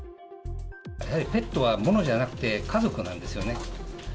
ペットは物じゃなくて、家族なんですよね。